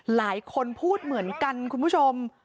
หลายคนพูดเหมือนกันคุณผู้ชม